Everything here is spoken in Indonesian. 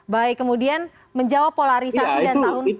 baik kemudian menjawab polarisasi dan tahun politik